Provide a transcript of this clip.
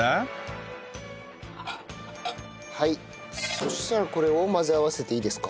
そしたらこれを混ぜ合わせていいですか？